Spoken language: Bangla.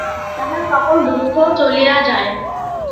তাহার সকল দুঃখ চলিয়া যায়।